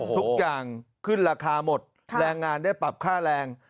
ทุกอย่างขึ้นราคาหมดแรงงานได้ปรับค่าแรง